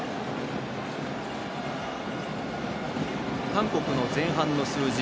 韓国の前半の数字。